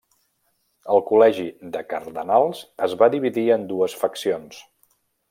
El Col·legi de Cardenals es va dividir en dues faccions.